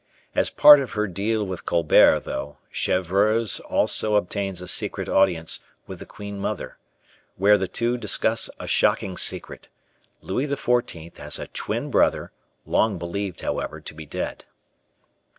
As part of her deal with Colbert, though, Chevreuse also obtains a secret audience with the queen mother, where the two discuss a shocking secret Louis XIV has a twin brother, long believed, however, to be dead.